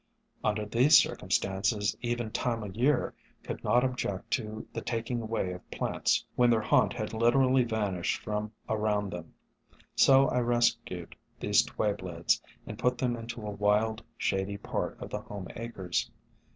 Under these cir cumstances even Time o' Year could not object to the taking away of plants when their haunt had literally vanished from around them, so I rescued these Twayblades and put them into a wild, shady part of the home acres.